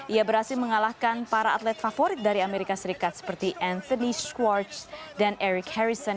ia berhasil mengalahkan para atlet favorit dari amerika serikat seperti anthony squarch dan eric harrison